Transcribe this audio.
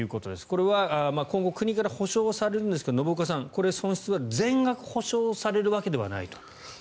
これは今後国から補償されるんですが信岡さん、これ損失は全額補償されるわけではないと。